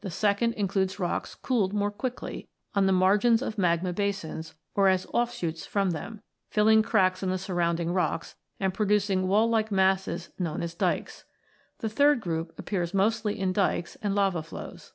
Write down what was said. The second includes rocks cooled more quickly, on the margins of magma basins, or as offshoots from them, filling cracks in the surrounding rocks, and producing wall like masses known as dykes. The third group appears mostly in dykes and lava flows.